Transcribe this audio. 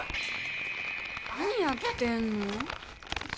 何やってんの？